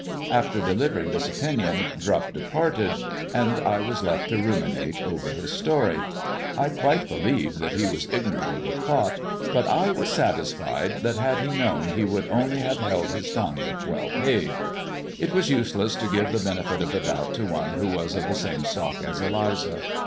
After delivering this opinion Drupp departed and I was left to ruminate over his story. I quite believed that he THE RAINBOW CAMELLIA 333 was ignorant of the plot, but I was satisfied that had he known he would only have held his tongue if well paid. It was useless to give the benefit of the doubt to one who was of the same stock as Eliza.